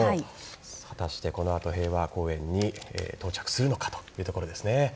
果たして、このあと平和公園に到着するのかというところですね。